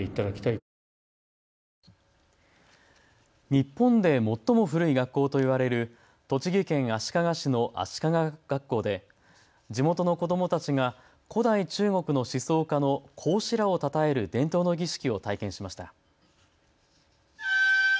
日本で最も古い学校と言われる栃木県足利市の足利学校で地元の子どもたちが古代中国の思想家の孔子らをたたえる伝統の儀式を体験しました。